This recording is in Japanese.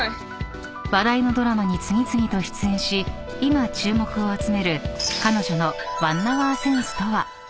［話題のドラマに次々と出演し今注目を集める彼女の］